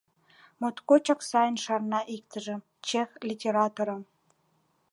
Моткочак сайын шарна иктыжым, чех литераторым.